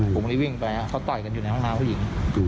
ผมก็เลยวิ่งไปเขาต่อยกันอยู่ในห้องน้ำผู้หญิง